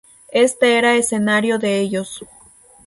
Éste era escenario de ellos.